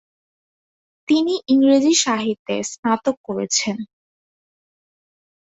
তিনি ইংরেজি সাহিত্যের স্নাতক করেছেন।